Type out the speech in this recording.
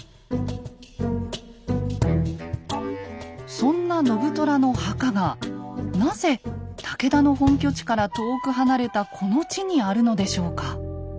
そんな信虎の墓がなぜ武田の本拠地から遠く離れたこの地にあるのでしょうか？